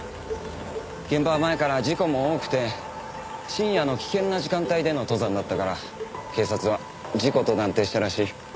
現場は前から事故も多くて深夜の危険な時間帯での登山だったから警察は事故と断定したらしい。